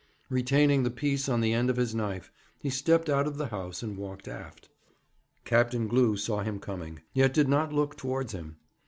Retaining the piece on the end of his knife, he stepped out of the house, and walked aft. Captain Glew saw him coming, yet did not look towards him.